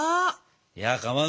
いやかまど。